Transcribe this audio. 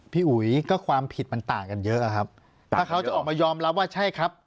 อุ๋ยก็ความผิดมันต่างกันเยอะอะครับถ้าเขาจะออกมายอมรับว่าใช่ครับ